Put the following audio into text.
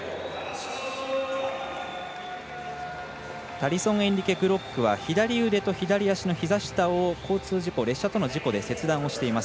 タリソンエンリケ・グロックは左腕と左足のひざ下を交通事故、列車との事故で切断をしています。